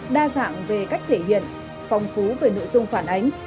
đa dạng về cách thể hiện phong phú về nội dung phản ánh